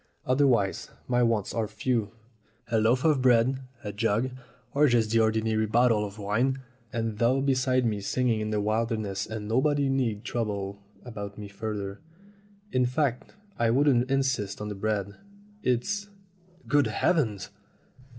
Otherwise my wants are few. A loaf of bread, a jug or just the ordinary bottle of wine, and thou beside me singing in the wilderness, and nobody need trouble about me further; in fact, I wouldn't insist on the bread. It's Good heavens